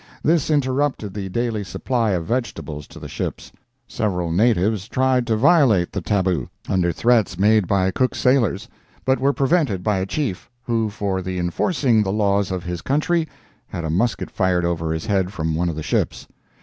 This interrupted the daily supply of vegetables to the ships. Several natives tried to violate the tabu, under threats made by Cook's sailors, but were prevented by a chief, who for the enforcing the laws of his country, had a musket fired over his head from one of the ships.